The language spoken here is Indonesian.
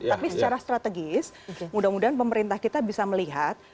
tapi secara strategis mudah mudahan pemerintah kita bisa melihat